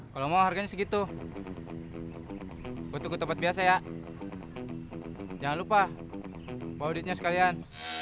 kalau mau harganya segitu butuh tempat biasa ya jangan lupa bawa ditanya sekalian